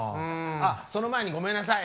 ああその前にごめんなさい。